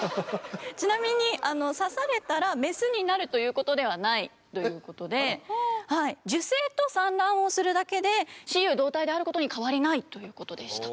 ちなみに刺されたらメスになるということではないということで受精と産卵をするだけで雌雄同体であることに変わりないということでした。